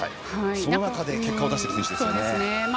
その中で結果を出している選手です。